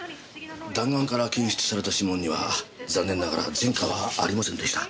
弾丸から検出された指紋には残念ながら前科はありませんでした。